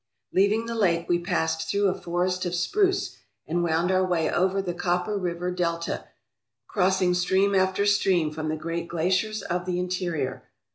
Leaving the lake we passed through a forest of spruce, and wound our way over the Copper River Delta, crossing stream after stream from the great glaciers of the interior.